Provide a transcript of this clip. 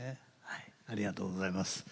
ありがとうございます。